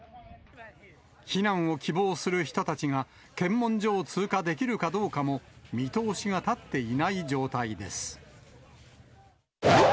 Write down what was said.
避難を希望する人たちが、検問所を通過できるかどうかも、見通しが立っていない状態です。